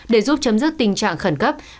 để giúp chấm dứt tình trạng khẩn cấp